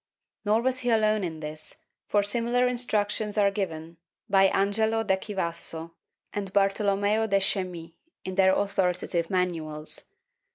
Nor was he alone in this, for similar instructions are given by Angelo da Chivasso and Bartolommeo de Chaimis in their authoritative manuals.